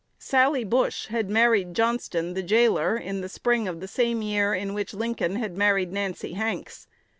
Sally Bush had married Johnston, the jailer, in the spring of the same year in which Lincoln had married Nancy Hanks.